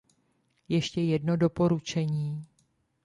Ještě jedno doporučení.